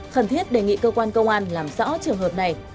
khẩn thiết đề nghị cơ quan công an làm rõ trường hợp này